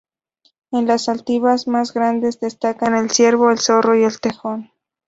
En las altitudes más grandes destacan el ciervo, el zorro y el tejón.